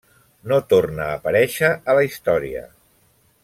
No torna a aparèixer a la història.